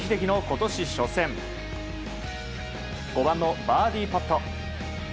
５番のバーディーパット。